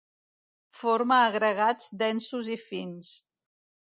Forma agregats densos i fins.